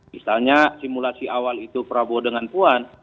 misalnya simulasi awal itu prabowo dengan puan